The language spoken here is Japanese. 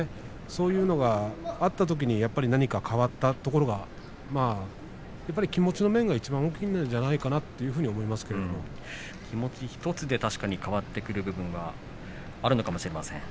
それがあったときに何か変わったというか気持ちの面でいちばん大きいんじゃないかと気持ち１つで確かに変わってくる部分があるのかもしれません。